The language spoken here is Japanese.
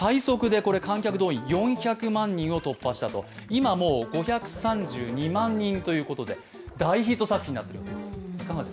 今もう５３２万人ということで大ヒット作品になっているわけです。